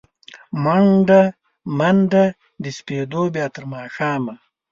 مڼډه، منډه د سپېدو، بیا تر ماښامه